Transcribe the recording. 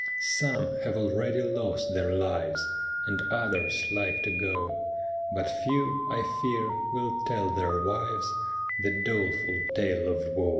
Some have already lost their lives, And others like to go; But few, I fear, will tell their wives The doleful tale of wo.